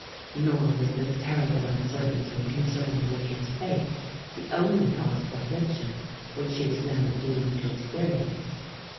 Nor was this terrible uncertainty concerning Richard's fate the only cause of affliction which she was now doomed to experience.